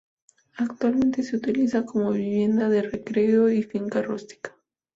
Actualmente se utiliza como vivienda de recreo y finca rústica.